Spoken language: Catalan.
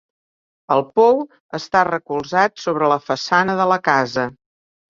El pou està recolzat sobre la façana de la casa.